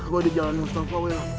gua di jalan mustafa weel